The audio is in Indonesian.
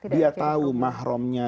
dia tahu mahrumnya